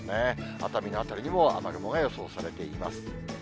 熱海の辺りにも雨雲が予想されています。